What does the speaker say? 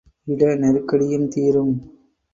இட நெருக்கடியும் தீரும்.